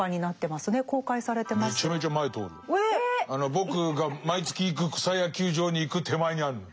僕が毎月行く草野球場に行く手前にあるの。